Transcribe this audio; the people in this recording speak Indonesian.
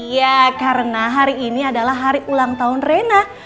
iya karena hari ini adalah hari ulang tahun reina